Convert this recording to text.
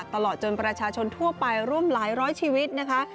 ตลอดจนประชาชนทั่วไปร่วมหลายร้อยชีวิตนะคะ